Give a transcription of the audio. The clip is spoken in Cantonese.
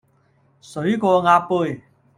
水過鴨背